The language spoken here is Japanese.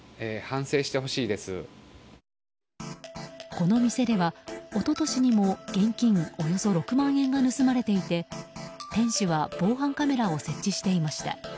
この店では一昨年にも現金およそ６万円が盗まれていて店主は防犯カメラを設置していました。